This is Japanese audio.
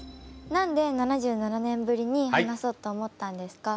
何で７７年ぶりに話そうと思ったんですか？